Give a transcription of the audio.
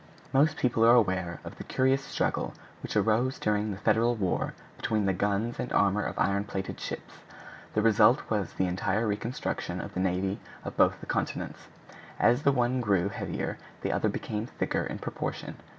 Most people are aware of the curious struggle which arose during the Federal war between the guns and armor of iron plated ships. The result was the entire reconstruction of the navy of both the continents; as the one grew heavier, the other became thicker in proportion.